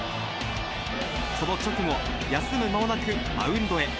その直後、休む間もなくマウンドへ。